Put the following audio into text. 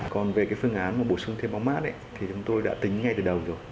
còn về cái phương án mà bổ sung thêm bóng mát ấy thì chúng tôi đã tính ngay từ đầu rồi